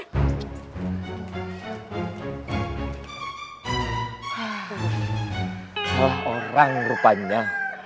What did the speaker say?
salah orang rupanya